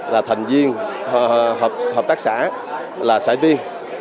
là thành viên hợp tác xã là xã viên